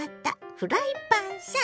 フライパンさん。